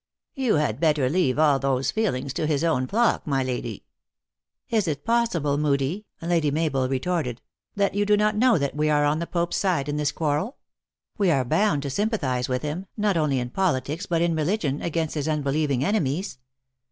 " You had better leave all those feelings to his own flock, my lady." "Is it possible, Moodie," Lady Mabel retorted, " that you do not know that we are on the Pope s side in this 1 quarrel ? We are bound to sympathize with him, not only in politics but in religion, against his unbelieving enemies.